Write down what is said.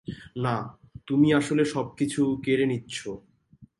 না, তুমি আসলে সবকিছু কেড়ে নিচ্ছো!